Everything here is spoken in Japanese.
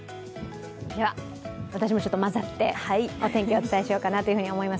では、私も混ざってお天気お伝えしていこうかなと思います。